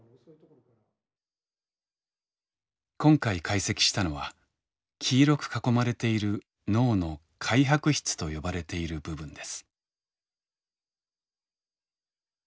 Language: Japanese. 今回解析したのは黄色く囲まれている脳の灰白質と呼ばれている部分です。